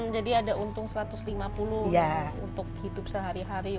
jadi ada untung satu ratus lima puluh untuk hidup sehari hari